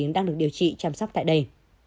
đang được điều trị chăm sóc tại đây